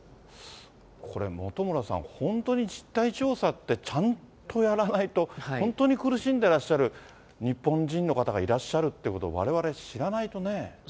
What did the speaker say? これ本村さん、本当に実態調査って、ちゃんとやらないと、本当に苦しんでらっしゃる日本人の方がいらっしゃるっていうことそうですね。